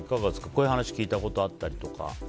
こういう話聞いたことあったりとか。